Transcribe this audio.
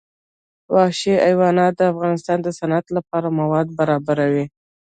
وحشي حیوانات د افغانستان د صنعت لپاره مواد برابروي.